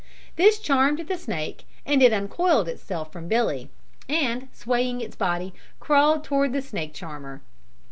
This charmed the snake and it uncoiled itself from Billy and, swaying its body, crawled toward the snake charmer.